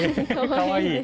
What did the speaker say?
かわいい。